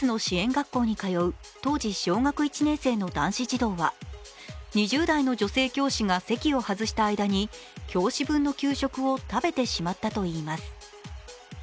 学校に通う当時小学１年生の男子児童は２０代の女性教師が席を外した間に教師用の給食を食べてしまったといいます。